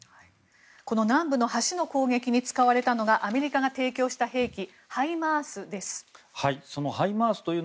この南部の橋の砲撃に使われたのがアメリカが提供した兵器ハイマースです。